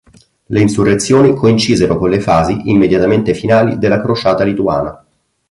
Le insurrezioni coincisero con le fasi immediatamente finali della crociata lituana.